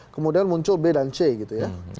kemudian muncul b dan c gitu ya